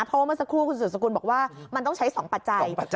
เพราะว่าเมื่อสักครู่คุณสุดสกุลบอกว่ามันต้องใช้๒ปัจจัย